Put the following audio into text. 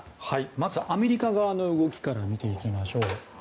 まずアメリカ側の動きから見ていきましょう。